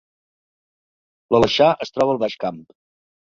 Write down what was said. L’Aleixar es troba al Baix Camp